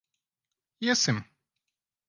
Iesim.